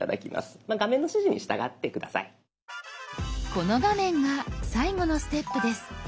この画面が最後のステップです。